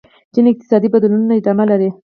چین اقتصادي بدلونونه ادامه لري.